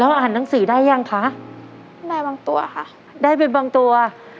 อ่านหนังสือได้ยังคะได้บางตัวค่ะได้เป็นบางตัว